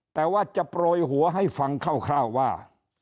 แต่ว่าจะโปรยหัวให้ฟังคร่าวว่า